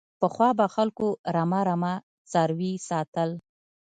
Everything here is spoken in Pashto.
پخوا به خلکو رمه رمه څاروي ساتل.